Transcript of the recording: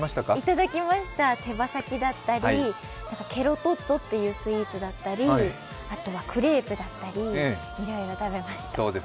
いただきました、手羽先だったり、ケリトッツォというスイーツだったり、あとはクレープだったりいろいろ食べました。